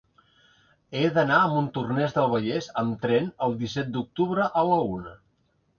He d'anar a Montornès del Vallès amb tren el disset d'octubre a la una.